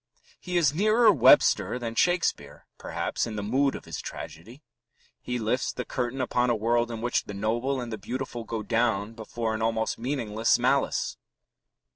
He is nearer Webster than Shakespeare, perhaps, in the mood of his tragedy; he lifts the curtain upon a world in which the noble and the beautiful go down before an almost meaningless malice.